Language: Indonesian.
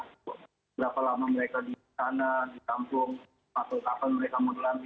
berapa lama mereka di sana di kampung atau kapan mereka mau dilami